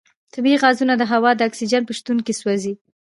طبیعي غازونه د هوا د اکسیجن په شتون کې سوځي.